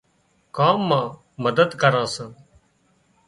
ڪام مان مدد ڪران سان